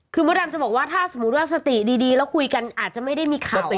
คือมดดำจะบอกว่าถ้าสมมุติว่าสติดีแล้วคุยกันอาจจะไม่ได้มีข่าว